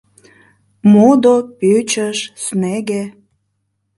Модо, пӧчыж, снеге...